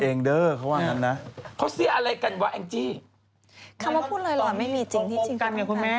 ตอนคุมกันนี่ครับคุณแม่